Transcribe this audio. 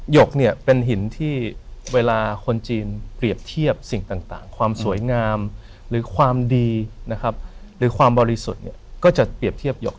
ยกเนี่ยเป็นหินที่เวลาคนจีนเปรียบเทียบสิ่งต่างความสวยงามหรือความดีนะครับหรือความบริสุทธิ์เนี่ยก็จะเปรียบเทียบหยก